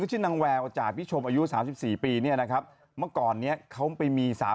ฮ่าฮ่าฮ่าฮ่าฮ่าฮ่าฮ่าฮ่าฮ่า